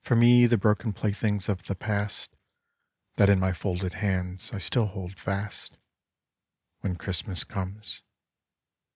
For me, the broken playthings of the past That in my folded hands I still hold fast, When Christmas comes.